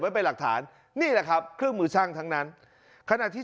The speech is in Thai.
ไปหลักฐานนี่แหละครับเครื่องมือช่างทั้งนั้นขณะที่